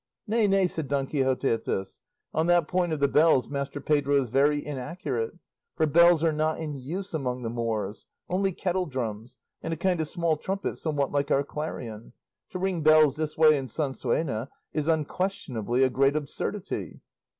"Nay, nay," said Don Quixote at this; "on that point of the bells Master Pedro is very inaccurate, for bells are not in use among the Moors; only kettledrums, and a kind of small trumpet somewhat like our clarion; to ring bells this way in Sansuena is unquestionably a great absurdity."